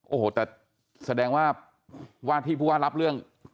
โอ้โหแต่แสดงว่าว่าที่ผู้ว่ารับเรื่อง